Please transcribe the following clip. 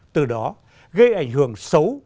từ đó gây ảnh hưởng xấu